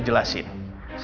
kamu harus bisa jadi dokter